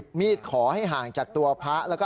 พระขู่คนที่เข้าไปคุยกับพระรูปนี้